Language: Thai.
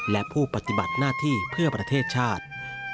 และผู้ปฏิบัติหน้าที่เพื่อประเทศชาติ